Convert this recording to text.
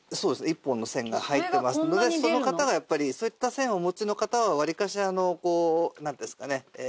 一本の線が入ってますのでその方がやっぱりそういった線をお持ちの方は割かしこうなんですかね。